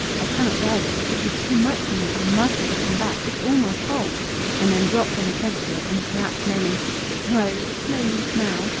I cannot bear this. It is too much for me. I must get him back. It's all my fault!" and then dropped on the Chesterfield in a collapse, moaning: "No. It's no use now."